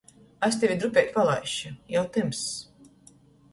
Es tevi drupeiti palaisšu — jau tymss.